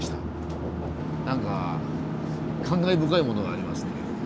何か感慨深いものがありますね。